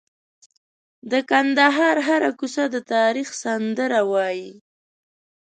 د کندهار هره کوڅه د تاریخ سندره وایي.